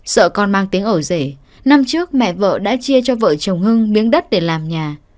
sợ con mang tiếng ẩu rể năm trước mẹ vợ đã chia cho vợ chồng hưng miếng đất để làm nhà